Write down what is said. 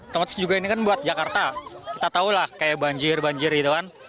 termasuk juga ini kan buat jakarta kita tahu lah kayak banjir banjir gitu kan